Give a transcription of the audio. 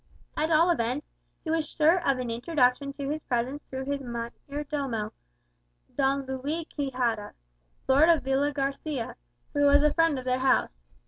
At all events, he was sure of an introduction to his presence through his mayor domo, Don Luis Quixada, lord of Villagarçia, who was a friend of their house.